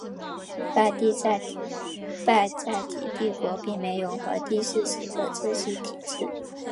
拜占庭帝国并没有皇帝世袭的正式体制。